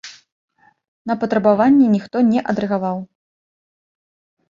На патрабаванне ніхто не адрэагаваў.